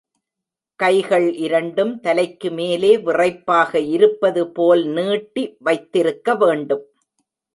கைகள் இரண்டும் தலைக்கு மேலே விறைப்பாக இருப்பது போல் நீட்டி வைத்திருக்க வேண்டும்.